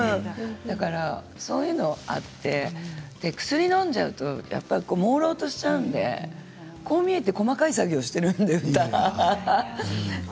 そういうのがあって薬をのんじゃうとやっぱりもうろうとしちゃうのでこう見えて細かい作業をしているんです、歌。